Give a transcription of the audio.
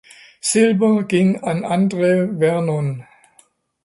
Silber ging an Andrew Vernon.